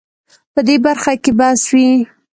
په دې برخه کې بس وي